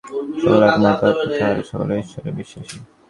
অবশ্য একটি বিষয়ে তাঁহারা সকলেই একমত, অর্থাৎ তাঁহারা সকলেই ঈশ্বরে বিশ্বাসী।